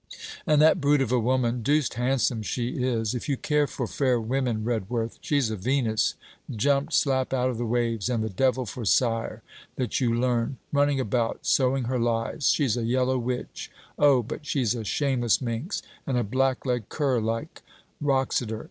'And that brute of a woman deuced handsome she is! if you care for fair women, Redworth: she's a Venus, jumped slap out of the waves, and the Devil for sire that you learn: running about, sowing her lies. She's a yellow witch. Oh! but she's a shameless minx. And a black leg cur like Wroxeter!